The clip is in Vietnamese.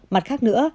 mặt khác nữa